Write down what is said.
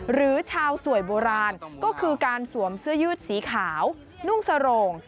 หรือชาวสวยโบราณก็คือการสวมเสื้อยืดสีขาวนุ่งสโรง